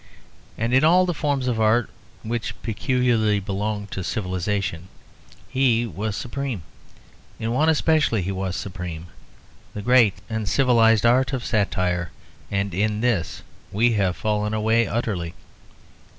And in all the forms of art which peculiarly belong to civilisation, he was supreme. In one especially he was supreme the great and civilised art of satire. And in this we have fallen away utterly.